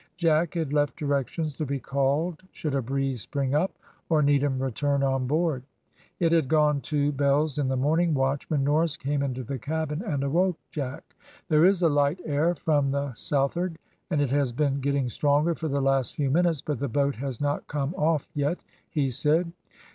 Jack had left directions to be called should a breeze spring up or Needham return on board. It had gone two bells in the morning watch when Norris came into the cabin and awoke Jack. "There is a light air from the south'ard, and it has been getting stronger for the last few minutes, but the boat has not come off yet," he said.